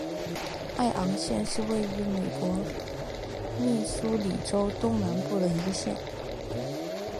艾昂县是位于美国密苏里州东南部的一个县。